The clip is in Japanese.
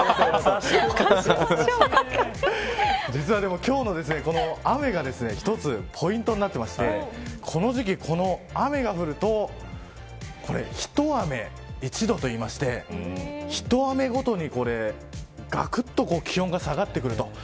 実は、今日の雨が一つポイントになってましてこの時期、雨が降ると一雨一度といいまして一雨ごとにがくっと気温が下がってくると。